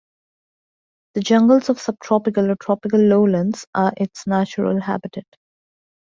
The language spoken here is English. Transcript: The jungles of subtropical or tropical lowlands are its natural habitat.